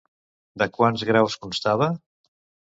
De quants graus constava?